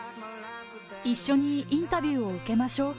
一緒にインタビューを受けましょう。